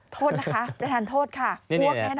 โทษนะคะประธานโทษค่ะบวกแน่นอน